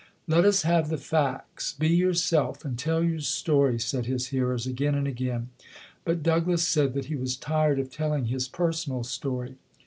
"Let us have the facts. Be yourself and tell your story", said his hearers again and again, but Douglass said that he was tired of telling his per sonal story.